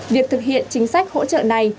việc thực hiện chính sách hỗ trợ này